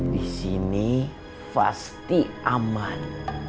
di sini pasti aman